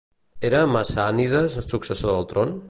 Era Macànides successor al tron?